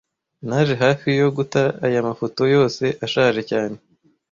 Naje hafi yo guta aya mafoto yose ashaje cyane